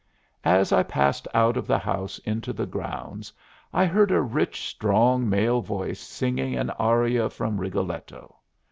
As I passed out of the house into the grounds I heard a rich, strong male voice singing an aria from "Rigoletto."